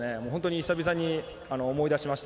久々に思い出しました。